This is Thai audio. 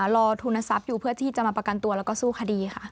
ทุนทรัพย์อยู่เพื่อที่จะมาประกันตัวแล้วก็สู้คดีค่ะ